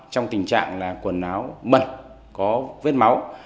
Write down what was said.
trong tình trạng là quần áo mật có vết máu